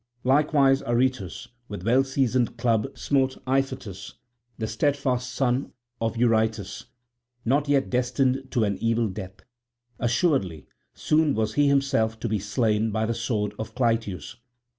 Likewise Aretus with well seasoned club smote Iphitus, the steadfast son of Eurytus, not yet destined to an evil death; assuredly soon was he himself to be slain by the sword of Clytius.